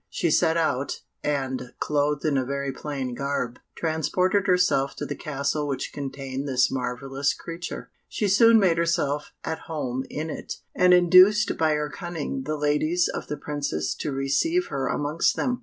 She set out, and, clothed in a very plain garb, transported herself to the castle which contained this marvellous creature. She soon made herself at home in it, and induced by her cunning the ladies of the Princess to receive her amongst them.